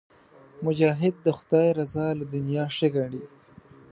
مجاهد د خدای رضا له دنیا ښه ګڼي.